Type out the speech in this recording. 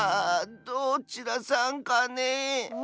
どちらさんかねえ？